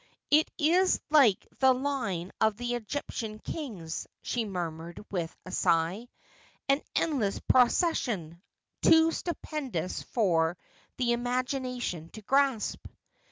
' It is like the line of the Egyptian kings,' she murmured with a sigh. ' An endless procession— too stupendous for the ima gination to grasp.'